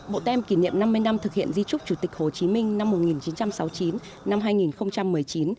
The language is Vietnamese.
bộ tem kỷ niệm năm mươi năm thực hiện di trúc chủ tịch hồ chí minh năm một nghìn chín trăm sáu mươi chín hai nghìn một mươi chín